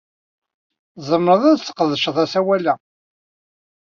Tzemreḍ ad tesqedceḍ asawal-a.